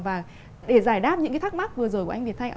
và để giải đáp những thắc mắc vừa rồi của anh việt thanh